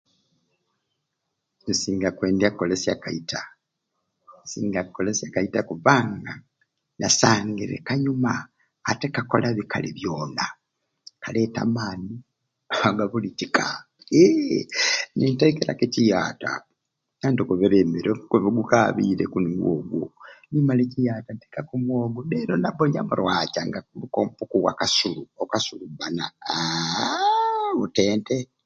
Nsinga kwendya ku kolesye kaita. Nsinga ku kolesye kaita kubbanga kasangire kanyuma ate kakola bikali byoona kaleeta amaani agabulu kika iii ninteekaku ekiyaata anti okobere mmere omukubi ogukaabiireku nigwo ogwo nimala e kiata noteekaku omwogo leero nabba o namurwacca nga akukompo akasu okasulubbana aaa lutente.